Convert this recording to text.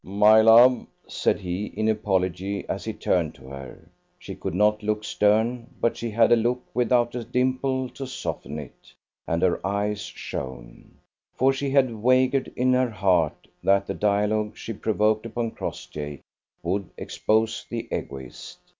"My love!" said he, in apology, as he turned to her. She could not look stern, but she had a look without a dimple to soften it, and her eyes shone. For she had wagered in her heart that the dialogue she provoked upon Crossjay would expose the Egoist.